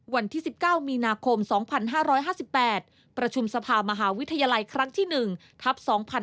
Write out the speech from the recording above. วันที่๑๙มีนาคม๒๕๕๘ประชุมสภามหาวิทยาลัยครั้งที่๑ทัพ๒๕๖๒